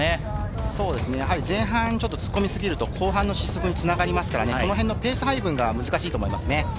前半突っ込みすぎると後半の失速に繋がるので、ペース配分が難しいと思います。